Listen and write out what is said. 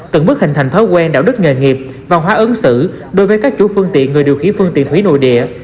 tận mức hình thành thói quen đạo đức nghề nghiệp và hóa ứng xử đối với các chủ phương tiện người điều khiến phương tiện thủy nội địa